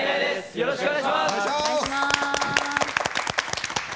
よろしくお願いします。